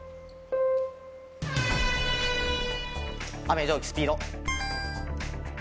『雨・蒸気・スピード』。